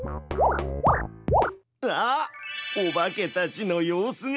あっオバケたちの様子が。